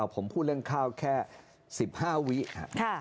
ผมพูดเรื่องข้าวแค่๑๕วิครับ